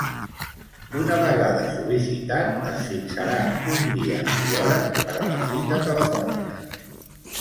Una vegada sol·licitat, es fixarà un dia i hora per a la cita telefònica.